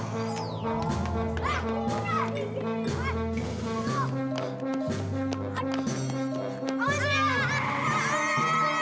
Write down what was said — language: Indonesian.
hah lagu banget lah